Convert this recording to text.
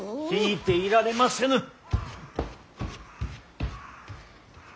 聞いていられませぬ。